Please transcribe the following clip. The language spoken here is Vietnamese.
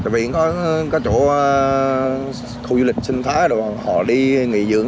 vì có chỗ khu du lịch sinh thái họ đi nghỉ dưỡng